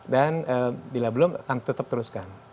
dan bila belum akan tetap teruskan